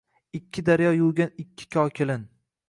Ikki daryo yuvgan ikki kokilin —